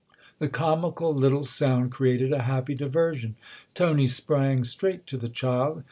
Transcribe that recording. The comical little sound created a happy diversion ; Tony sprang straight to the child.